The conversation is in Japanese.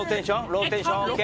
ローテンションＯＫ？